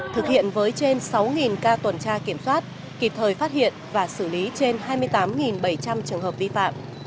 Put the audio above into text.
thực hiện với trên sáu ca tuần tra kiểm soát kịp thời phát hiện và xử lý trên hai mươi tám bảy trăm linh trường hợp vi phạm